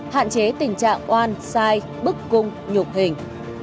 hạn chế tình trạng oan sai bức cung nhục hình